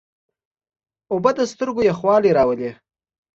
اوبه د سترګو یخوالی راولي.